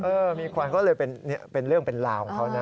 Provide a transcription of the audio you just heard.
มีควันก็เลยเป็นเรื่องเป็นราวของเขานะ